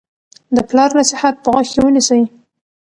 د پلار نصیحت په غوږ کې ونیسئ.